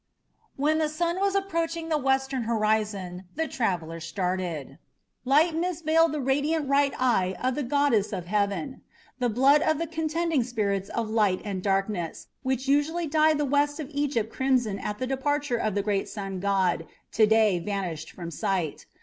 When the sun was approaching the western horizon the travellers started. Light mists veiled the radiant right eye of the goddess of heaven. The blood of the contending spirits of light and darkness, which usually dyed the west of Egypt crimson at the departure of the great sun god, to day vanished from sight.